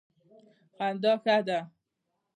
خندا ښه ده.